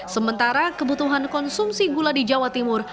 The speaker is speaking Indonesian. sementara kebutuhan konsumsi gula di jawa timur